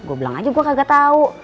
gue bilang aja gue kagak tahu